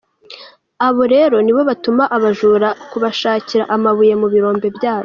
Abo rero nibo batuma abajura kubashakira amabuye mu birombe byacu.